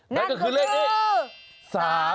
นั่นก็คือเลขนี้๓๒ว้าว